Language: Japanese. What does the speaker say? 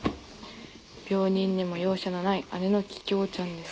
病人にも容赦のない姉の桔梗ちゃんです。